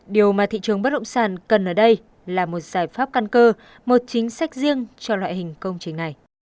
điều mà thị trường bất động sản cần ở đây là một giải pháp căn cơ một chính sách riêng cho loại hình công trình này